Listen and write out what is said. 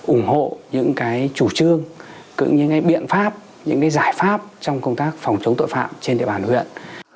ủng hộ những chủ trương cũng như những biện pháp những giải pháp trong công tác phòng chống tội phạm trên địa bàn huyện